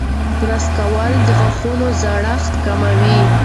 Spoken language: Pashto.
برس کول د غاښونو زړښت کموي.